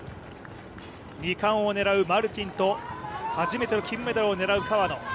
２冠を狙うマルティンと初めての金メダルを狙う川野。